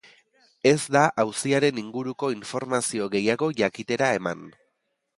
Ez da auziaren inguruko informazio gehiago jakitera eman.